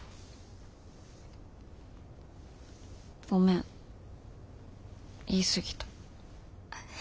ごめん言い過ぎた。